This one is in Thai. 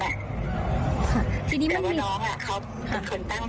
และในดูนี้มันเดินและค่อยเสียดวง